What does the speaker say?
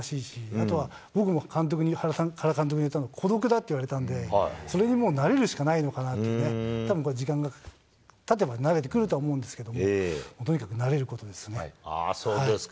あとは、僕も監督に、原監督に言われたのは、孤独だって言われたんで、それにもう慣れるしかないのかなってね、たぶん、これが時間がたてば慣れてくると思うんですけれども、とにかく慣そうですか。